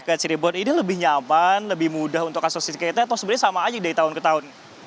ke cirebon ini lebih nyaman lebih mudah untuk associate atau sebenarnya sama aja dari tahun ke tahun